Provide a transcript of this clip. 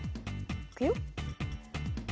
いくよ。